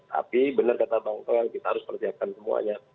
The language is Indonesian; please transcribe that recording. tapi benar kata bang toel kita harus persiapkan semuanya